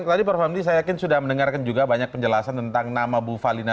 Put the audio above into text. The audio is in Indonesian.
tadi prof hamdi saya yakin sudah mendengarkan juga banyak penjelasan tentang nama bu falina